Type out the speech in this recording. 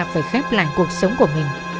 phải khép lại cuộc sống của mình